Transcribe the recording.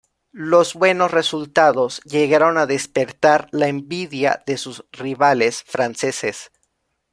Los buenos resultados llegaron a despertar la envidia de sus rivales franceses.